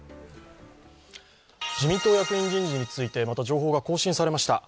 自民党役員人事について、また情報が更新されました。